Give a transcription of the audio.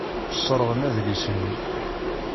Sserɣen adlis-nni.